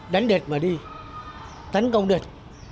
đánh địch mà đi mở đường mà tiến